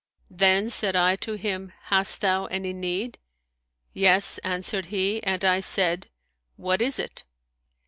Then said I to him, Hast thou any need?' Yes,' answered he; and I said, What is it?'